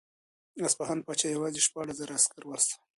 د اصفهان پاچا یوازې شپاړس زره عسکر واستول.